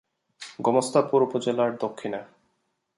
গোমস্তাপুর উপজেলার দক্ষিণে।